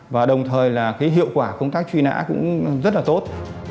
và đồng thời hiệu quả công tác truy nã cũng rất là tốt